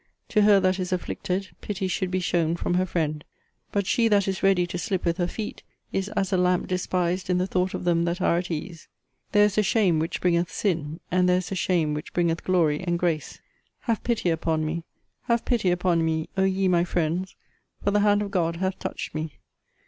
To her that is afflicted, pity should be shown from her friend. But she that is ready to slip with her feet, is as a lamp despised in the thought of them that are at ease. There is a shame which bringeth sin, and there is a shame which bringeth glory and grace. Have pity upon me, have pity upon me, O ye, my friends! for the hand of God hath touched me.